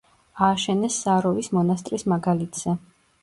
ააშენეს საროვის მონასტრის მაგალითზე.